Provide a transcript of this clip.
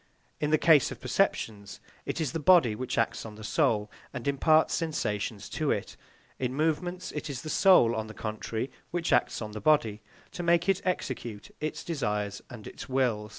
In the case of perceptions, it is the body which acts on the soul and imparts sensations to it; in movements, it is the soul, on the contrary, which acts on the body, to make it execute its desires and its will.